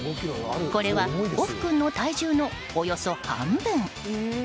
これはオフ君の体重のおよそ半分。